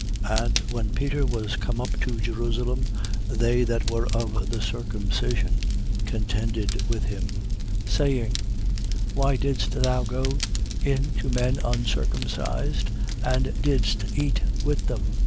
11:2. And when Peter was come up to Jerusalem, they that were of the circumcision contended with him, 11:3. Saying: Why didst thou go in to men uncircumcised and didst eat with them?